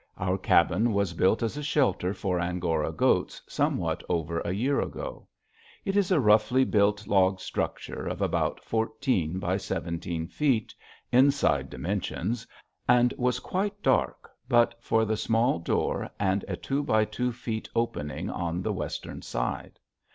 Our cabin was built as a shelter for Angora goats somewhat over a year ago. It is a roughly built log structure of about fourteen by seventeen feet, inside dimensions, and was quite dark but for the small door and a two by two feet opening on the western side.